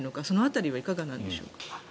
その辺りはいかがなんでしょう。